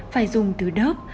phải dùng từ đớp